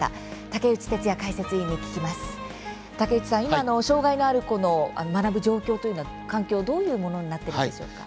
竹内さん、今、障害のある子の学ぶ状況というのは環境、どういうものになっているんでしょうか？